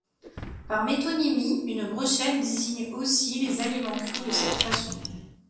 Par métonymie, une brochette désigne aussi les aliments cuits de cette façon.